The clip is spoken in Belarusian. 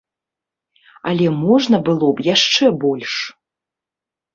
Але можна было б яшчэ больш.